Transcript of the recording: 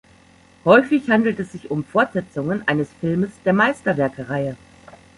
Häufig handelt es sich um Fortsetzungen eines Filmes der "Meisterwerke"-Reihe.